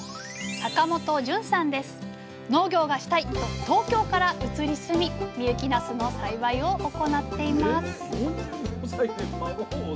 農業がしたいと東京から移り住み深雪なすの栽培を行っています